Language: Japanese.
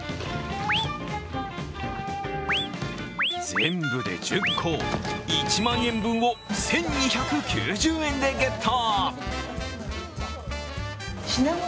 全部で１０個、１万円分を１２９０円でゲット。